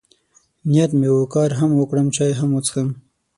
نیت مې و، کار هم وکړم، چای هم وڅښم.